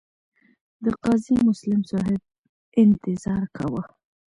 د قاضي مسلم صاحب انتظار کاوه.